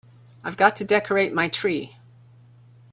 I've got to decorate my tree.